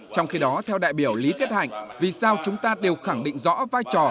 trong khi đó theo đại biểu lý tiết hạnh vì sao chúng ta đều khẳng định rõ vai trò